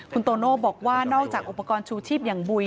คุณโตโน่บอกว่านอกจากอุปกรณ์ชูชีพอย่างบุย